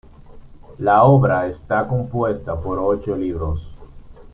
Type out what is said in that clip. La obra está compuesta por ocho libros.